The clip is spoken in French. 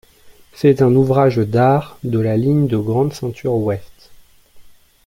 C'est un ouvrage d'art de la ligne de grande ceinture Ouest.